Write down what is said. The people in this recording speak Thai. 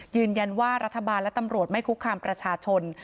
ยืนยันว่ารัฐบาลและตำรวจไม่คุกคามประชาชน